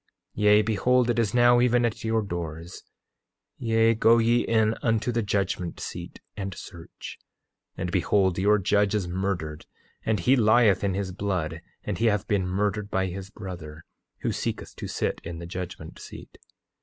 8:27 Yea, behold it is now even at your doors; yea, go ye in unto the judgment seat, and search; and behold, your judge is murdered, and he lieth in his blood; and he hath been murdered by his brother, who seeketh to sit in the judgment seat.